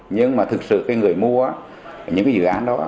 nhưng mà thực sự người mua những dự án đó